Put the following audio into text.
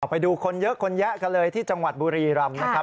ไปดูคนเยอะคนแยะกันเลยที่จังหวัดบุรีรำนะครับ